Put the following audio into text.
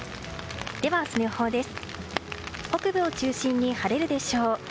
では明日の予報です。